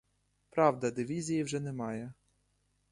Правда, дивізії вже немає.